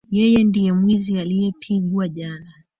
Yeye ndiye mwizi aliyepigwa jana.